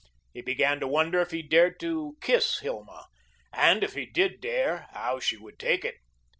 He began to wonder if he dared to kiss Hilma, and if he did dare, how she would take it.